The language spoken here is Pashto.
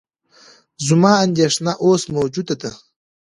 زما اندېښنه اوس موجوده ده.